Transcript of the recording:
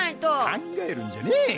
考えるんじゃねぇ。